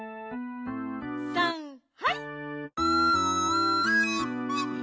さんはい！